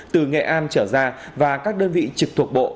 từ nghệ an trở ra và các đơn vị trực thuộc bộ